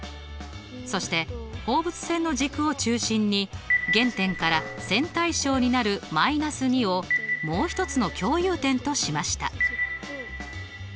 そして放物線の軸を中心に原点から線対称になる−２をもう一つの共有点としました。